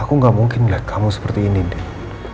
aku gak mungkin lihat kamu seperti ini deh